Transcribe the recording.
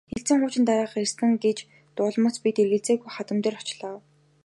Хэлтсийн хуучин дарга ирсэн гэж дуулмагц би эргэлзэлгүй хадам дээр орлоо.